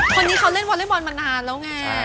คนนี้เขาเล่นวอเล็กบอลมานานแล้วไง